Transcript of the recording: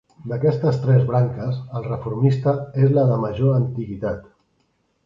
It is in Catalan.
D'aquestes tres branques, el reformista és la de major antiguitat.